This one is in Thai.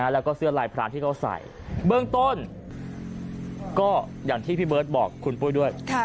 แล้วก็เสื้อลายพรานที่เขาใส่เบื้องต้นก็อย่างที่พี่เบิร์ตบอกคุณปุ้ยด้วย